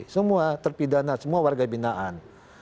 semua terpidana semua warga binaan